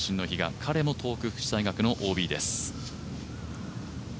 彼も東北福祉大学のＯＢです。